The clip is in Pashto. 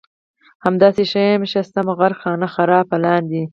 همداسې ښه یم ښه سم غرق خانه خراب لاندې